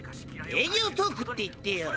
「営業トーク」って言ってよ。